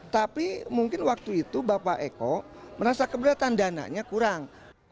tapi mungkin waktu itu bapak eko merasa keberatan dananya kurang